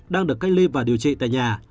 đang được cách ly và điều trị tại nhà